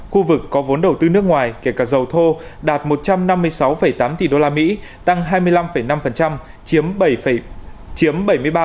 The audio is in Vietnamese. khu vực có vốn đầu tư nước ngoài kể cả dầu thô đạt một trăm năm mươi sáu tám tỷ usd tăng hai mươi năm năm chiếm bảy mươi ba bốn